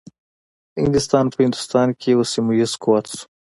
انګلیسان په هندوستان کې یو سیمه ایز قوت شو.